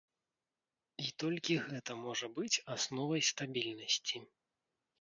І толькі гэта можа быць асновай стабільнасці.